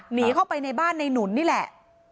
หนีเข้าไปในบ้านในหนุนนี่แหละ